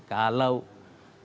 kalau kita perlu jalan